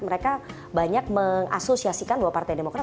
mereka banyak mengasosiasikan bahwa partai demokrat